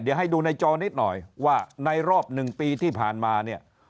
เดี๋ยวให้ดูในจอนิดหน่อยว่าในรอบ๑ปีที่ผ่านมาเนี่ย